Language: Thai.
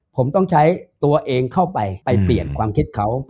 ผมต้องใช้ตัวเองเข้าไปไปเปลี่ยนความคิดเขา